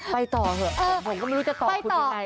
ไปต่อเถอะผมก็ไม่รู้จะตอบคุณยังไง